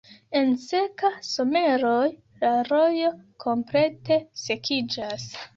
En seka someroj la rojo komplete sekiĝas.